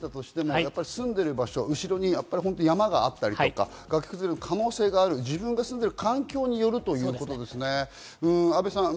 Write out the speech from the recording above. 全体的に避難指示が出ていたとしても住んでいる場所、後ろに山があったり、崖崩れの可能性がある自分が住んでいる環境によるということですね。